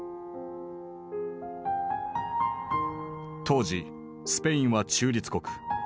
当時スペインは中立国。